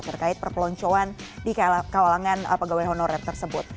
terkait perpeloncoan di kawalangan pegawai honorat tersebut